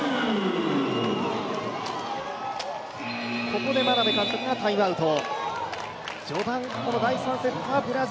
ここで眞鍋監督がタイムアウト。